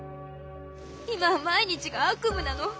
今は毎日が悪夢なの。